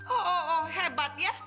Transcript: oh oh oh hebat ya